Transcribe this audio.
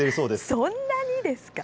そんなにですか。